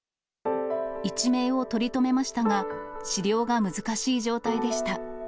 一命を取り留めましたが、治療が難しい状態でした。